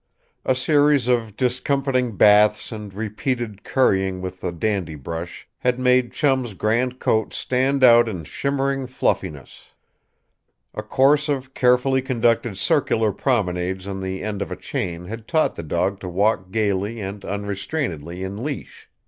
A series of discomfiting baths and repeated currying with the dandy brush had made Chum's grand coat stand out in shimmering fluffiness. A course of carefully conducted circular promenades on the end of a chain had taught the dog to walk gaily and unrestrainedly in leash.